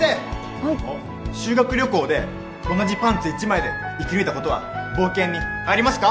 はい修学旅行で同じパンツ一枚で生き抜いたことは冒険に入りますか？